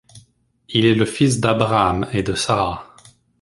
Il est le fils d'Abraham et de Sarah.